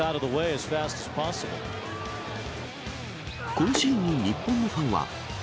このシーンに日本のファンは。